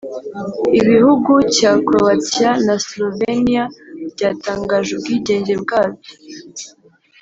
Ibihugu cya Croatia na Slovenia byatangaje ubwigenge bwabyo